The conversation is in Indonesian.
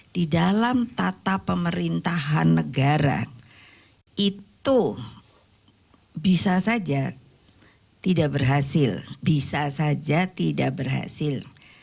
di dalam tata pemerintahan negara itu bisa saja tidak berhasil